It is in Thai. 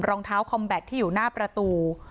รองเท้าคอมแบตที่อยู่หน้าประตู